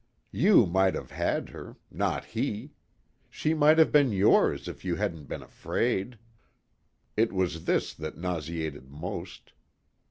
"You might have had her. Not he. She might have been yours if you hadn't been afraid." It was this that nauseated most.